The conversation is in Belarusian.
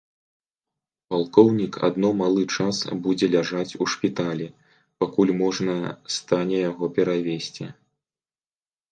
Палкоўнік адно малы час будзе ляжаць у шпіталі, пакуль можна стане яго перавезці.